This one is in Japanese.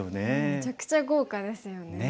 めちゃくちゃ豪華ですよね。